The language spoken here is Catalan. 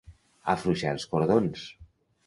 Afluixar els cordons.